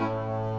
tidak ada apa apa